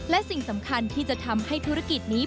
และสิ่งสำคัญที่จะทำให้ธุรกิจนี้